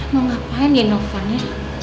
mau ngapain ya novan ya